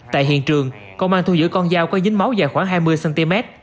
tại hiện trường công an thu giữ con dao có dính máu dài khoảng hai mươi cm